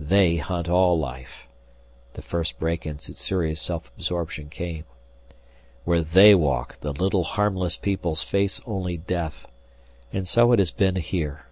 "They hunt all life," the first break in Sssuri's self absorption came. "Where they walk the little, harmless peoples face only death. And so it has been here."